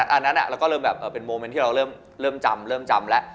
อันนั้นเราก็เริ่มแบบเป็นโมเมนต์ที่เราเริ่มจำเริ่มจำแล้ว